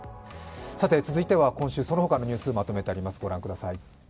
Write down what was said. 続いては、今週そのほかのニュースまとめてあります。